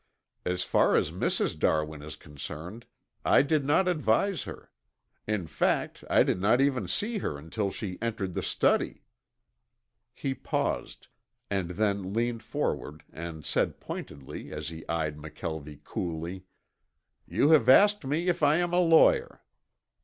As far as Mrs. Darwin is concerned, I did not advise her. In fact, I did not even see her until she entered the study." He paused, and then leaned forward and said pointedly as he eyed McKelvie coolly, "You have asked me if I'm a lawyer.